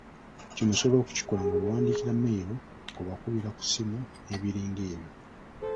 Kino osobola okukikola ng’obawandiikira mmeyiro, ng’obakubira ku ssimu n’ebiringa ebyo.